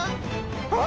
あっ！